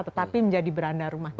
tetapi menjadi beranda rumah kita